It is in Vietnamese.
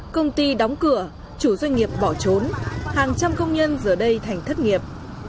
công ty đóng cửa chủ doanh nghiệp bỏ trốn hàng trăm công nhân giờ đây thành thất nghiệp